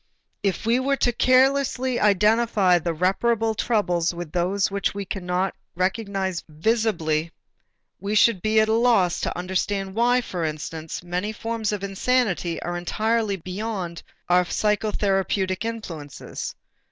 If we were carelessly to identify the reparable troubles with those which we cannot recognize visibly, we should be at a loss to understand why, for instance, many forms of insanity are entirely beyond our psychotherapeutic influences.